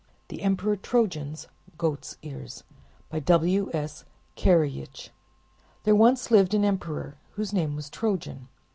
THE EMPEROR TROJAN'S GOAT'S EARS By W. S. Karajich There once lived an emperor whose name was Trojan.